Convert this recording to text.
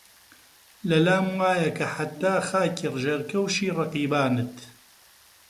لەلام وایە کە حەتتا خاکی ژێرکەوشی ڕەقیبانت